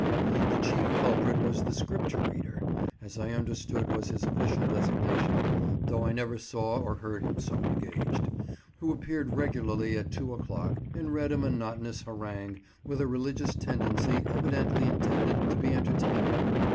The chief culprit was the Scripture reader (as I understood was his official designation, though I never saw or heard him so engaged), who appeared regularly at 2 o'clock, and read a monotonous harangue, with a religious tendency evidently intended to be entertaining.